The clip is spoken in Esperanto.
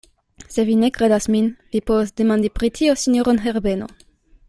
Se vi ne kredas min, vi povos demandi pri tio sinjoron Herbeno.